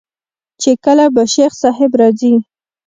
چې کله به شيخ صاحب راځي.